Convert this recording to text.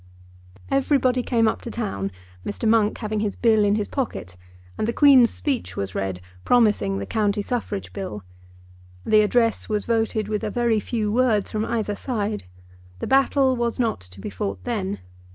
Everybody came up to town, Mr. Monk having his Bill in his pocket, and the Queen's speech was read, promising the County Suffrage Bill. The address was voted with a very few words from either side. The battle was not to be fought then.